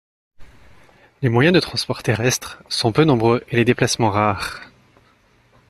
Les moyens de transport terrestre sont peu nombreux et les déplacements rares.